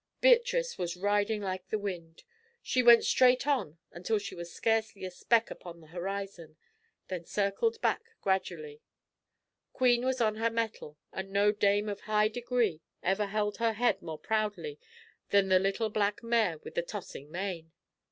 Beatrice was riding like the wind. She went straight on until she was scarcely a speck upon the horizon, then circled back gradually. Queen was on her mettle, and no dame of high degree ever held her head more proudly than the little black mare with the tossing mane.